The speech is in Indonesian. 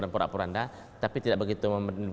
perapuranda tapi tidak begitu memenuhi